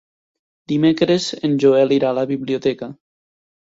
Dimecres en Joel irà a la biblioteca.